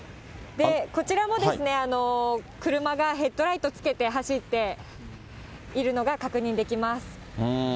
こちらも、車がヘッドライトつけて走っているのが確認できます。